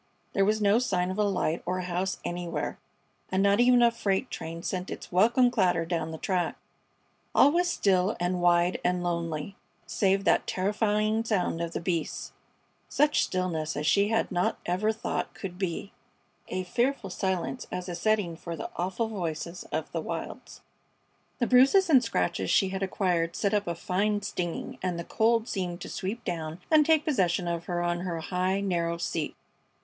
There was no sign of a light or a house anywhere, and not even a freight train sent its welcome clatter down the track. All was still and wide and lonely, save that terrifying sound of the beasts; such stillness as she had not ever thought could be a fearful silence as a setting for the awful voices of the wilds. The bruises and scratches she had acquired set up a fine stinging, and the cold seemed to sweep down and take possession of her on her high, narrow seat.